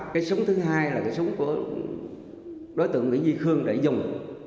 cái súng thứ hai là cái súng của đối tượng nguyễn duy khương để dùng